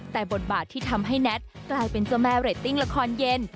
แต่บทบาทที่ทำให้แน็ตกลายเป็นเจ้าแม่เรตติ้งละครเย็น